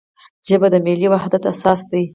ژبه د ملي وحدت اساس ده.